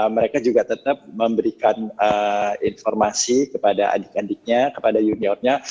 mereka juga tetap memberikan informasi kepada adik adiknya kepada juniornya